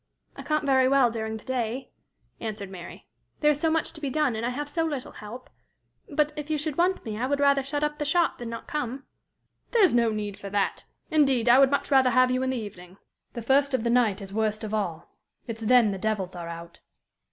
"I can't very well during the day," answered Mary. "There is so much to be done, and I have so little help. But, if you should want me, I would rather shut up the shop than not come." "There is no need for that! Indeed, I would much rather have you in the evening. The first of the night is worst of all. It's then the devils are out.